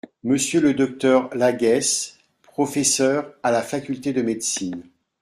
Monsieur le Dr Laguesse, professeur à la Faculté de médecine.